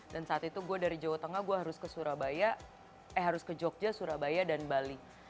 dan saat itu gue dari jawa tengah gue harus ke surabaya eh harus ke jogja surabaya dan bali